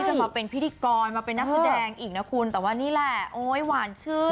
จะมาเป็นพิธีกรมาเป็นนักแสดงอีกนะคุณแต่ว่านี่แหละโอ๊ยหวานชื่อ